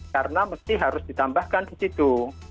karena mesti harus ditambahkan di situ